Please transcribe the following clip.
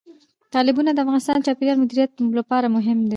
تالابونه د افغانستان د چاپیریال مدیریت لپاره مهم دي.